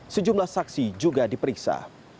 sejumlah saksi juga diperiksa